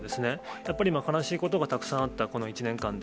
やっぱり今、悲しいことがあったこの１年間で。